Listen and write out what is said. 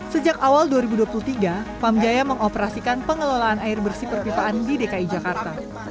sejak awal dua ribu dua puluh tiga pam jaya mengoperasikan pengelolaan air bersih perpipaan di dki jakarta